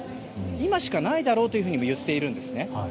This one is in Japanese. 今しかないだろうとも言っているんですね。